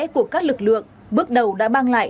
của các lực lượng bước đầu đã mang lại